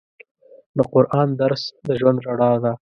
د قرآن درس د ژوند رڼا ده.